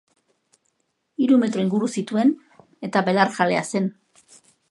Hiru metro inguru zituen eta belarjalea zen.